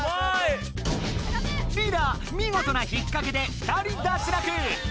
リーダー見ごとなひっかけで２人脱落！